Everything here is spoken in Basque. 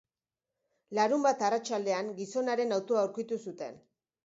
Larunbat arratsaldean, gizonaren autoa aurkitu zuten.